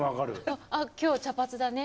「あっ今日茶髪だね」